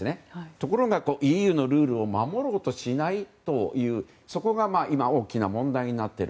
ところがＥＵのルールを守ろうとしないというそこが大きな問題となっている。